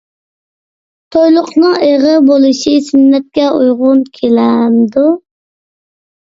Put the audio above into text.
تويلۇقنىڭ ئېغىر بولۇشى سۈننەتكە ئۇيغۇن كېلەمدۇ؟